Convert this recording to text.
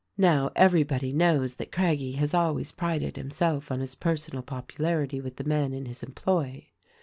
"Now, everybody knows that Craggie has always prided himself on his personal popularity with the men in his employ.